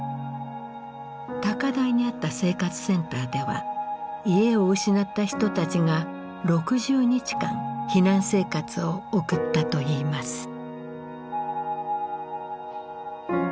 高台にあった生活センターでは家を失った人たちが６０日間避難生活を送ったといいます。